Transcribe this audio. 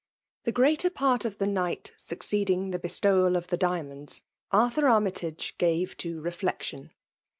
' Tlie greater part of the night succeeding Uid bestoyral of the diamonds* Arthur Aro^tag« gave to reflection.